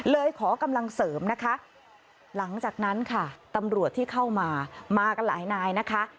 เลยขอกำลังเสริมนะคะหลังจากนั้นค่ะตำรวจที่เข้ามามากันหลายนายนะคะ